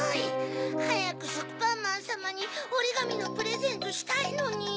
はやくしょくぱんまんさまにおりがみのプレゼントしたいのに！